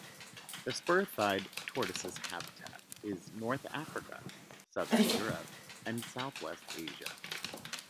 The spur-thighed tortoise's habitat is North Africa, southern Europe, and southwest Asia.